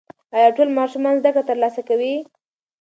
ایا ټول ماشومان زده کړه ترلاسه کوي؟